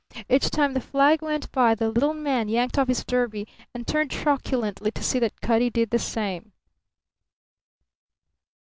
Each time the flag went by the little man yanked off his derby and turned truculently to see that Cutty did the same.